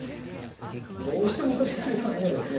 どうしても取りたい場合にはですね